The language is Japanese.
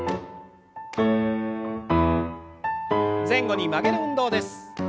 前後に曲げる運動です。